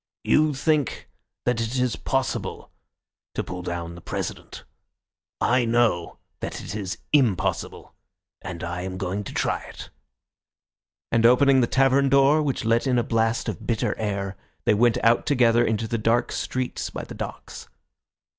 You think that it is possible to pull down the President. I know that it is impossible, and I am going to try it," and opening the tavern door, which let in a blast of bitter air, they went out together into the dark streets by the docks.